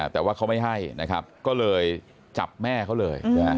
แต่ว่าเขาไม่ให้นะครับก็เลยจับแม่เขาเลย